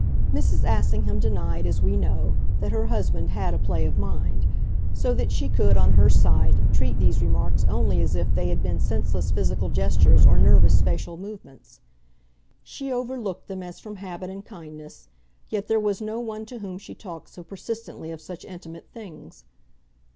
Mrs. Assingham denied, as we know, that her husband had a play of mind; so that she could, on her side, treat these remarks only as if they had been senseless physical gestures or nervous facial movements. She overlooked them as from habit and kindness; yet there was no one to whom she talked so persistently of such intimate things.